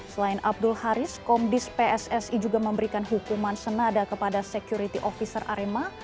selain abdul haris komdis pssi juga memberikan hukuman senada kepada security officer arema